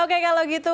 oke kalau gitu